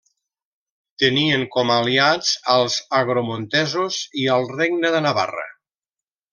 Tenien com a aliats als agramontesos i al Regne de Navarra.